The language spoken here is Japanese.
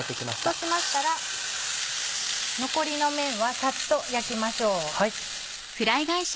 そうしましたら残りの面はサッと焼きましょう。